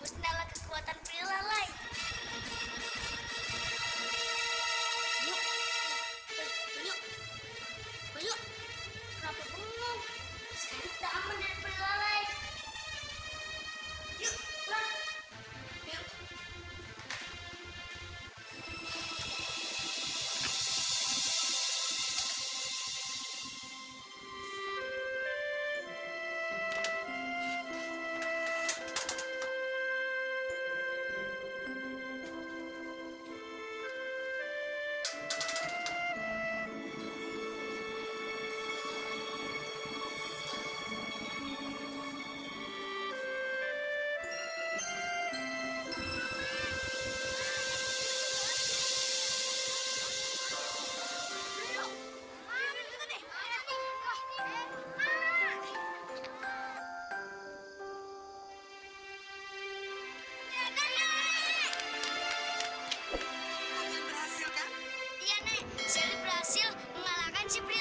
seri berhasil mengalahkan si periwala lain